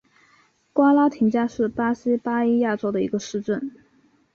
瓜拉廷加是巴西巴伊亚州的一个市镇。